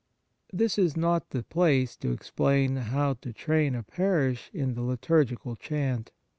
This is not the place to explain how to train a parish in the liturgical chant.